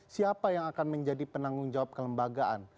siapa yang akan menjadi penanggung jawab kelembagaan